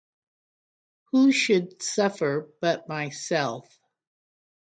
Who should suffer but myself?